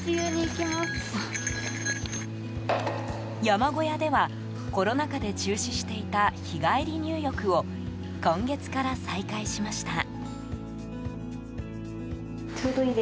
山小屋ではコロナ禍で中止していた日帰り入浴を今月から再開しました。